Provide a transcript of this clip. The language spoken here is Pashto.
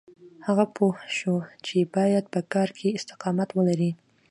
هغه پوه شو چې بايد په کار کې استقامت ولري.